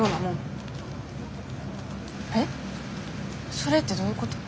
それってどういうこと？